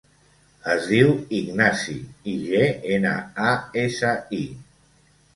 Es diu Ignasi: i, ge, ena, a, essa, i.